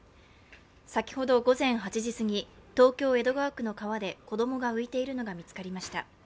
先ほど午前８時過ぎ、東京・江戸川区の川で子供が浮いているのが見つかりました。